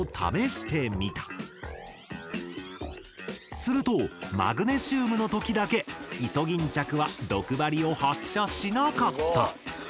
するとマグネシウムの時だけイソギンチャクは毒針を発射しなかった。